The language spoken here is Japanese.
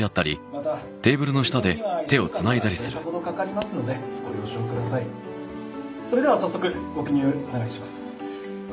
またお振り込みには１週間から１０日ほどかかりますのでご了承くださいそれでは早速ご記入お願いします